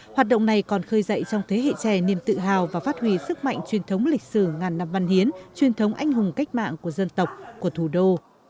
hoạt động này còn khơi dậy trong thế hệ trẻ niềm tự hào và phát huy sức mạnh truyền thống lịch sử ngàn năm văn hiến truyền thống anh hùng cách mạng của dân tộc của thủ đô